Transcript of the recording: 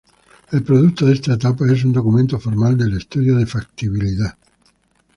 El producto de esta etapa es un documento formal del estudio de factibilidad.